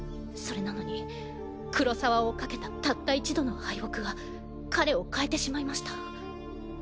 それなのに黒澤を賭けたたった一度の敗北は彼を変えてしまいました。